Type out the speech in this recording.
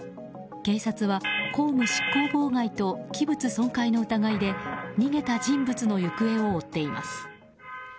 警察は、公務執行妨害と器物損壊の疑いで逃げた人物の行方を追っています。